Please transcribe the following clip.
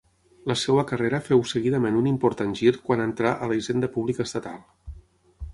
La seva carrera féu seguidament un important gir quan entrà a la hisenda pública estatal.